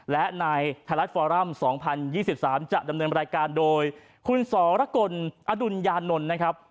และในไทยรัฐฟอรัม๒๐๒๓จะดำเนินรายการโดยคุณสรกลอดุญญานนท์นะครับ